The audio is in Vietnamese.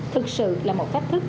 thực sự là một phát thức